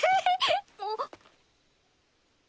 あっ。